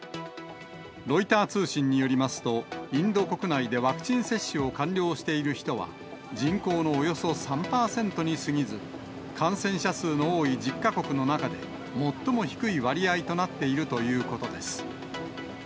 ロイター通信によりますと、インド国内でワクチン接種を完了している人は、人口のおよそ３％にすぎず、感染者数の多い１０か国の中で、最も低い割合となっているということです。